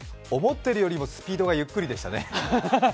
思っているよりもスピードがゆっくりでしたね。